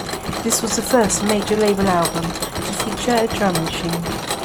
This was the first major label album to feature a drum machine.